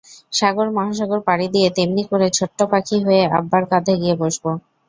সাগর-মহাসাগর পাড়ি দিয়ে তেমনি করে ছোট্ট পাখি হয়ে আব্বার কাঁধে গিয়ে বসব।